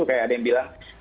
kayak ada yang bilang